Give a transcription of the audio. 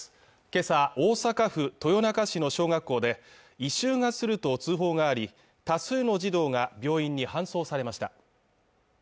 今朝大阪府豊中市の小学校で異臭がすると通報があり多数の児童が病院に搬送されました